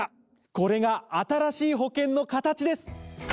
これが新しい保険の形です！